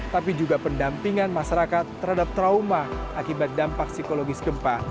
tapi juga pendampingan masyarakat terhadap trauma akibat dampak psikologis gempa